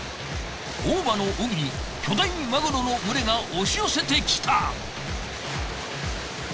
大間の海に巨大マグロの群れが押し寄せてきた。